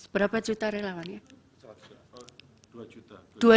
berapa juta relawan ya